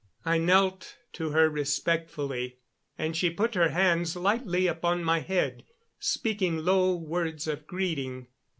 I knelt to her respectfully, and she put her hands lightly upon my head, speaking low words of greeting.